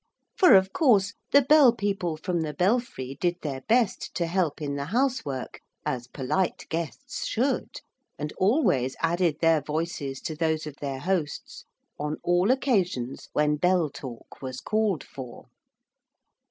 For, of course, the Bell people from the belfry did their best to help in the housework as polite guests should, and always added their voices to those of their hosts on all occasions when bell talk was called for.